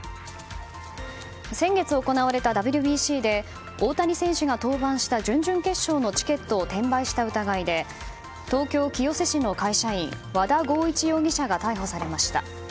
先月行われたＷＢＣで大谷選手が登板した準々決勝のチケットを転売した疑いで東京・清瀬市の会社員和田剛一容疑者が逮捕されました。